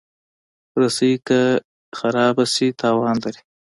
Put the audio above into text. رسۍ که خراب شي، تاوان لري.